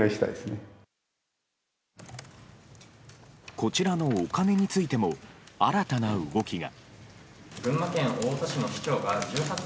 こちらのお金についても新たな動きが。